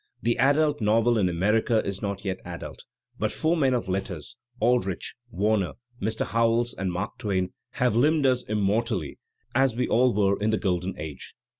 The adult novel in America is not yet adult, but four men of letters, Aldrich, Warner, Mr. HoweUs and Mark Twain, have limned us immortally as we all were in the golden age.